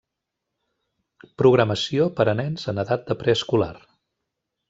Programació per a nens en edat de preescolar.